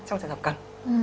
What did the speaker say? trong trường hợp cần